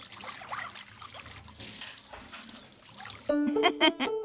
ウフフフ。